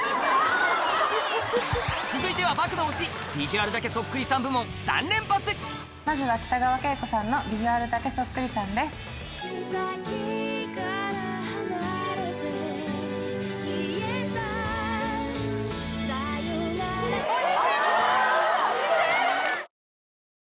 続いては３連発まずは北川景子さんのビジュアルだけそっくりさんです。似てるわ！